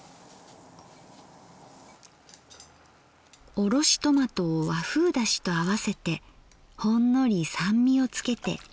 おろしトマトを和風だしと合わせてほんのり酸味をつけて。